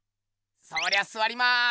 そりゃすわります。